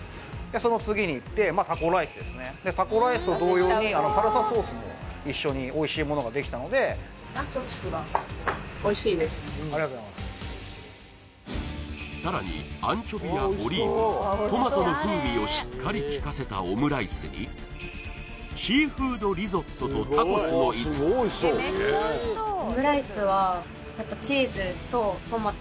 その次にいってまあタコライスですねタコライスと同様にサルサソースも一緒においしいものができたのでありがとうございますさらにアンチョビやオリーブトマトの風味をしっかりきかせたオムライスにシーフードリゾットとタコスの５つだなってっていうふうに思いました